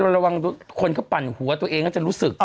ระวังคนก็ปั่นหัวเองก็จะรู้สึก